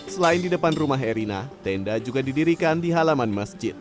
selain di depan rumah erina tenda juga didirikan di halaman masjid